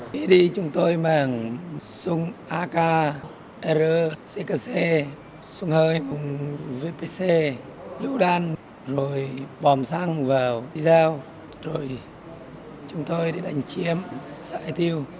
khi đi chúng tôi mang súng ak r ckc súng hơi vpc lưu đan rồi bòm xăng vào đi giao rồi chúng tôi đi đánh chiếm sợi tiêu